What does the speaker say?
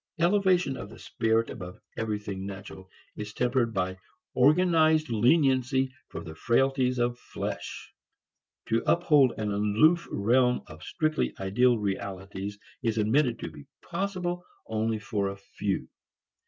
Elevation of the spirit above everything natural is tempered by organized leniency for the frailties of flesh. To uphold an aloof realm of strictly ideal realities is admitted to be possible only for a few.